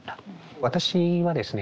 私はですね